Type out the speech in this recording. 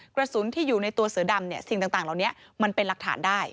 กระสุนที่อยู่ในตัวเสือดำสิ่งต่างเหล่านี้มันเป็นหลักฐานได้